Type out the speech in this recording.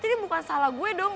ini bukan salah gue dong